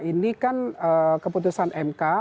ini kan keputusan mk